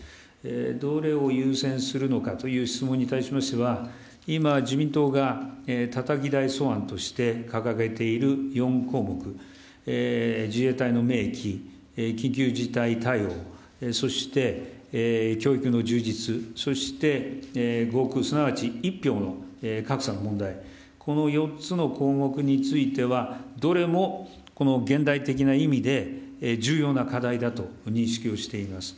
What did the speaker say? どれを優先するのかという質問に対しましては、今、自民党がたたき台草案として掲げている４項目、自衛隊の明記、緊急事態対応、そして教育の充実、そして合区、すなわち１票の格差の問題、この４つの項目については、どれもこの現代的な意味で重要な課題だと認識をしています。